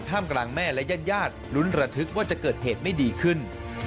กลางแม่และญาติลุ้นระทึกว่าจะเกิดเหตุไม่ดีขึ้น